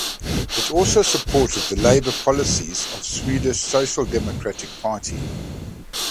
It also supported the labour policies of Swedish Social Democratic Party.